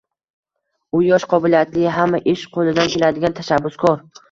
u yosh, qobiliyatli, hamma ish qo‘lidan keladigan, tashabbuskor